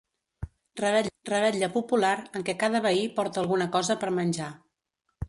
Revetlla popular en què cada veí porta alguna cosa per menjar.